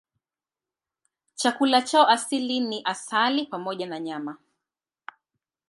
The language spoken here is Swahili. Chakula chao asili ni asali pamoja na nyama.